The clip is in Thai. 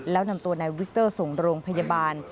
แล้วนำตัวนายวิกเตอร์ส่งโรงพยาบาล